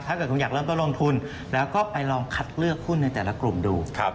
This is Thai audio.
ถ้าเกิดคุณอยากเริ่มต้นลงทุนแล้วก็ไปลองคัดเลือกหุ้นในแต่ละกลุ่มดู